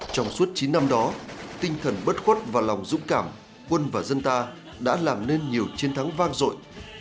trong suốt chín năm đó tinh thần bất khuất và lòng dũng cảm quân và dân ta đã làm nên nhiều chiến thắng vang dội